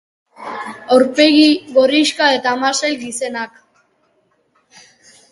Aurpegi gorrixka eta masail gizenak.